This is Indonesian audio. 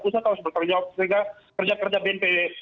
pusat harus bertanggung jawab sehingga kerja kerja bnp